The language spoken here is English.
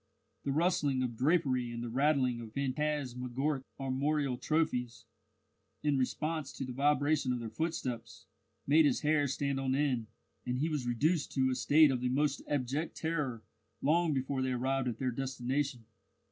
The rustling of drapery and the rattling of phantasmagoric armorial trophies, in response to the vibration of their footsteps, made his hair stand on end, and he was reduced to a state of the most abject terror long before they arrived at their destination.